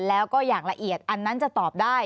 แล้วก็อย่างละเอียดอันนั้นจะตอบได้